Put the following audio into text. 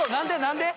何で？